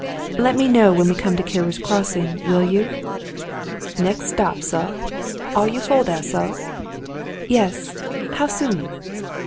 '*Let me know when we come to Carew's Crossing, will you?" "Next stop, suh. Are you foh there, suh.^^" "Yes. How soon?"